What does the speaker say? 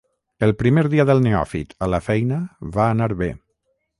El primer dia del neòfit a la feina va anar bé.